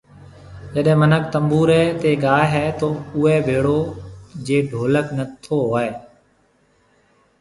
جڏي منک تنبوري تي گاوي ھيَََ تو اوئي ڀيڙو جي ڍولڪ نٿو ھوئي